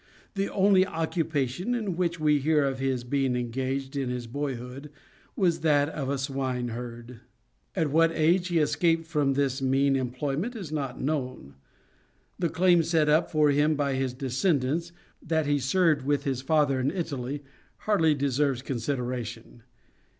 The only occupation in which we hear of his being engaged in his boyhood, was that of a swineherd. At what age he escaped from this mean employment is not known. The claim set up for him by his descendants, that he served with his father in Italy, hardly deserves consideration.